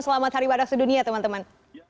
selamat hari badak sudunia teman teman